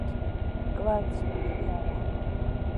გვარი ცნობილი არაა.